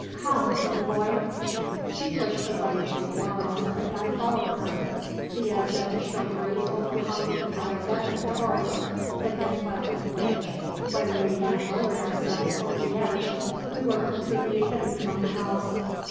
... Come, little boy!" She pushed her way through the laurels, and I followed her. The edge of the shrubbery overhung the dry bed of a torrent, in the cleft of which, when we had lowered ourselves over the edge, we were completely hidden from the house.